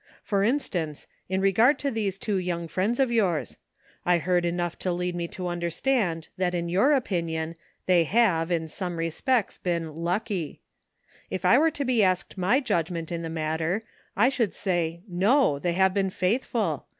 For in stance, in regard to these two young friends of yours; I heard enough to lead me to under stand that in your opinion they have, in somo respects, been ' lucky.' If I were to be asked my judgment in the matter I should say 'No, they have been faithful.